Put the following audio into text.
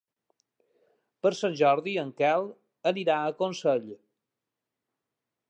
Per Sant Jordi en Quel anirà a Consell.